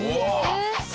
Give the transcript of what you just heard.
えっ？